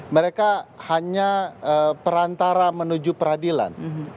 mereka hanya perantara menuju peradilan